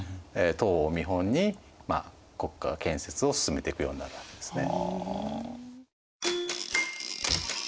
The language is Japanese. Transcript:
唐を見本に国家建設を進めていくようになるわけですね。